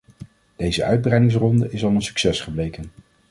Deze uitbreidingsronde is al een succes gebleken.